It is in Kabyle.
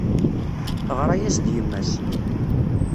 Teɣra-as-d yemma-s.